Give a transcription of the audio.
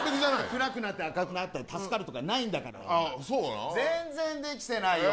暗くなって明るくなったら助かるとかないんだからああそうなの？